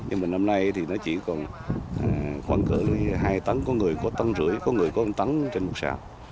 nhưng mà năm nay thì nó chỉ còn khoảng cỡ hai tấn có người có tấn rưỡi có người có một tấn trên một xào